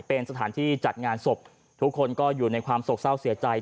เป็นสถานที่จัดงานศพทุกคนก็อยู่ในความโศกเศร้าเสียใจ